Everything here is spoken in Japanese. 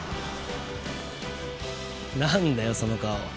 なんだよその顔。